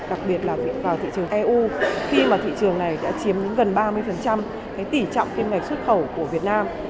đặc biệt là vào thị trường eu khi mà thị trường này đã chiếm gần ba mươi tỉ trọng trên mạch xuất khẩu của việt nam